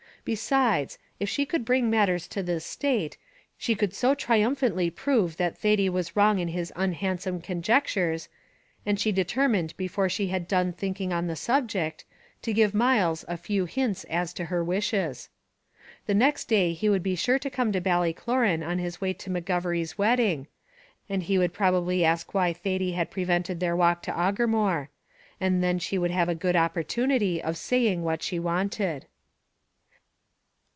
Besides, if she could bring matters to this state, she could so triumphantly prove that Thady was wrong in his unhandsome conjectures, and she determined before she had done thinking on the subject, to give Myles a few hints as to her wishes. The next day he would be sure to come to Ballycloran on his way to McGovery's wedding, and he would probably ask why Thady had prevented their walk to Aughermore; and then she would have a good opportunity of saying what she wanted.